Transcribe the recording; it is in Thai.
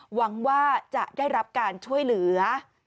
หวังว่าจะได้รับการช่วยเหลือ